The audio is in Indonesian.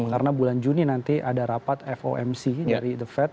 karena bulan juni nanti ada rapat fomc dari the fed